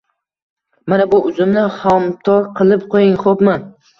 Mana bu uzumni xomtok qilib qo`ying, xo`pmi